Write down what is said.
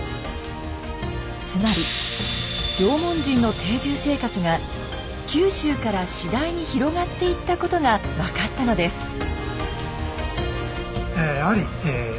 つまり縄文人の定住生活が九州から次第に広がっていったことが分かったのです。